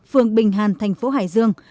phường bình hàn thành phố hải dương